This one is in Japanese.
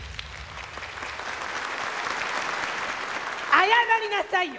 謝りなさいよ！